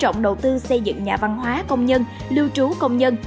trọng đầu tư xây dựng nhà văn hóa công nhân lưu trú công nhân